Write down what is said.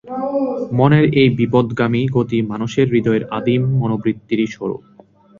মনের এই বিপথগামী গতি মানুষের হৃদয়ের আদিম মনোবৃত্তিরই স্বরূপ।